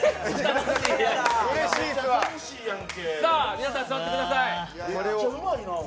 皆さん座ってください。